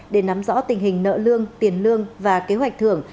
để nắm rõ tình hình nợ lương tiền lương và kế hoạch thưởng